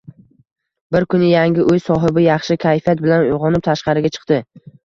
Bir kuni yangi uy sohibi yaxshi kayfiyat bilan uygʻonib, tashqariga chiqdi.